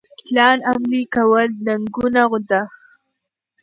پلان عملي کول ننګونه ده.